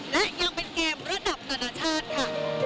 และยังเป็นเกมระดับนานาชาติค่ะ